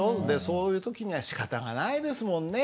そういう時にはしかたがないですもんね。